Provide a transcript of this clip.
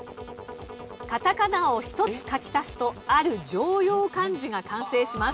カタカナを１つ書き足すとある常用漢字が完成します。